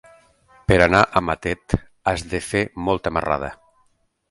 Per anar a Matet has de fer molta marrada.